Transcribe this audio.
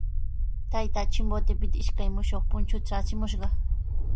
Taytaa Chimbotepita ishkay mushuq punchuta traachimushqa.